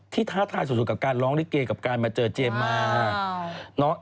ท้าทายสุดกับการร้องลิเกกับการมาเจอเจมมา